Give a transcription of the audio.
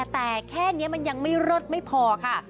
แต่แค่นี้มันยังไม่เลิศไม่พอค่ะ